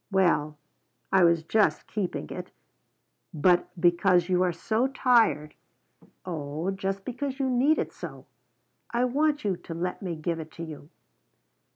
"Well, I was just keeping it. But because you are so tired oh just because you need it so. I want you to let me give it to you."